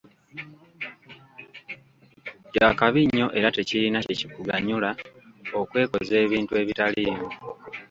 Kya kabi nnyo era tekirina kye kikuganyula okwekoza ebintu ebitaliimu.